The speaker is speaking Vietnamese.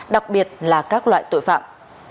đặc biệt là các loại tội phạm